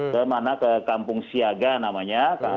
kemana ke kampung siaga namanya